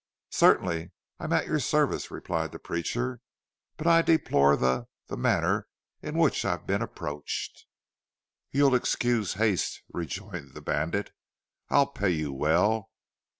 "Certainly. I'm at your service," replied the preacher. "But I deplore the the manner in which I've been approached." "You'll excuse haste," rejoined the bandit. "I'll pay you well."